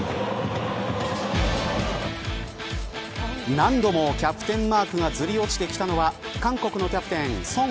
何度もキャプテンマークがずれ落ちてきたのは韓国のキャプテンソン